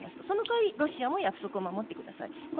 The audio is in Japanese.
その代わりロシアも約束を守ってくださいと。